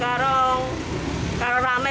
kalau hari biasa berapa